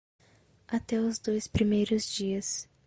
Até os dois primeiros dias